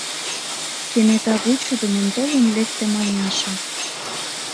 — кенета вучыдымын толын лекте Маняша.